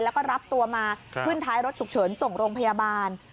แล้วก็รับตัวมาขึ้นท้ายรถฉุกเฉินส่งโรงพยาบาล